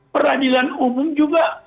peradilan umum juga